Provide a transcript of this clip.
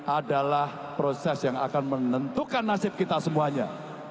adalah proses yang akan menentukan nasib kita semuanya